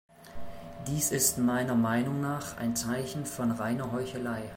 Dies ist meiner Meinung nach ein Zeichen von reiner Heuchelei.